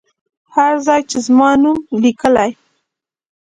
هر ځای چې زما نوم لیکلی.